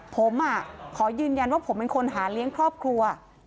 ผมขอยืนยันว่าผมเป็นคนหาเลี้ยงครอบครัว